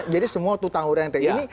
jadi semua tutang orang yang terkenal